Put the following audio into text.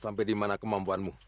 sampai di mana kemampuanmu